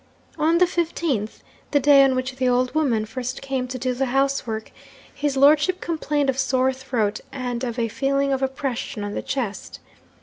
'On the 15th (the day on which the old woman first came to do the housework), his lordship complained of sore throat, and of a feeling of oppression on the chest.